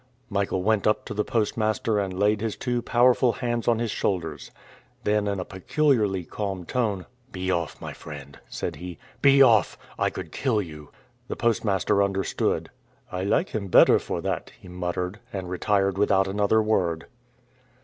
Michael went up to the postmaster and laid his two powerful hands on his shoulders. Then in a peculiarly calm tone, "Be off, my friend," said he: "be off! I could kill you." The postmaster understood. "I like him better for that," he muttered and retired without another word.